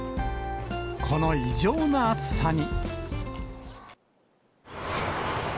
この異常な暑さに。